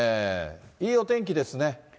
いいお天気ですね。